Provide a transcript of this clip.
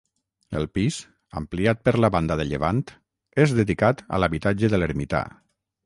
El pis, ampliat per la banda de llevant, és dedicat a l'habitatge de l'ermità.